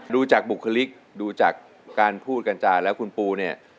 ดูจากบุคลิกดูจากการพูดกัญจาแล้วคุณปูเนี่ย